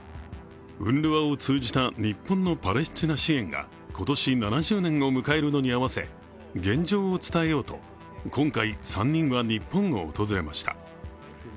ＵＮＲＷＡを通じた日本のパレスチナ支援が、今年７０年を迎えるのに合わせ現状を伝えようと今回、３人は日本を訪れました